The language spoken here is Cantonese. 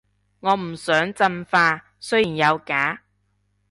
我唔想進化，雖然有假